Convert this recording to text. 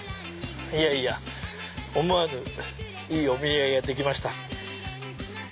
いやいや思わぬいいお土産ができました。